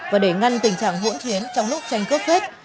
và để ngăn tình trạng hỗn chiến trong lúc tranh cướp phết